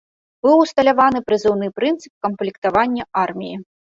Быў усталяваны прызыўны прынцып камплектавання арміі.